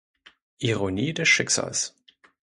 Ironie des Schicksals.